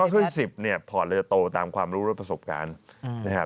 ข้อสุดสิบพอดละจะโตตามความรู้และประสบการณ์